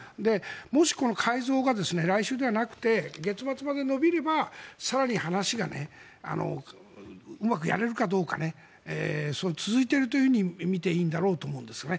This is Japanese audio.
もしこの改造が来週じゃなくて月末まで延びれば更に話がうまくやれるかどうか続いていると見ていいと思うんですね。